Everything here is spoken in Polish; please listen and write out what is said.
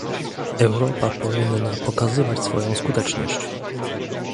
Europa powinna pokazywać swoją skuteczność